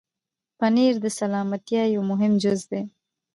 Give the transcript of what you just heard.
پنېر د سلامتیا یو مهم جز دی.